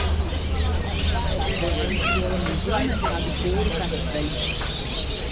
Arī vēlāk Lēna sola man ziemai kādu pūru kartupeļus.